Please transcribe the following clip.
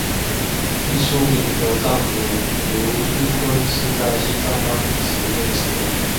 毕淑敏和丈夫芦书坤是在西藏当兵时认识的。